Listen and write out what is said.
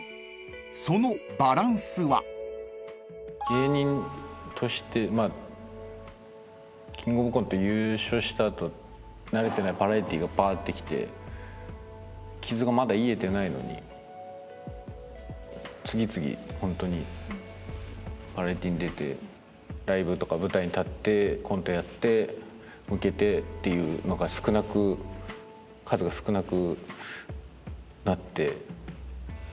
芸人としてまあキングオブコント優勝した後慣れてないバラエティーがばーって来て傷がまだ癒えてないのに次々ホントにバラエティーに出てライブとか舞台に立ってコントやってウケてっていうのが少なく数が少なくなって。